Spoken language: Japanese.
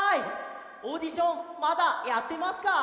オーディションまだやってますか？